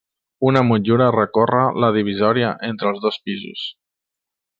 Una motllura recorre la divisòria entre els dos pisos.